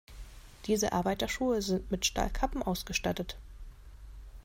Diese Arbeiterschuhe sind mit Stahlkappen ausgestattet.